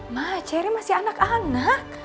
ma cherry masih anak anak